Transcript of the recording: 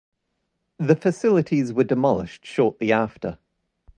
The facilities were demolished shortly after.